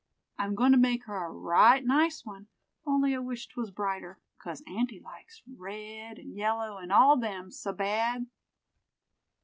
I'm going to make her a right nice one, only I wish 'twas brighter, 'cause aunty likes red, and yellow, and all them, so bad."